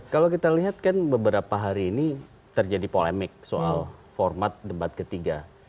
kalau kita lihat kan beberapa hari ini terjadi polemik soal format debat ketiga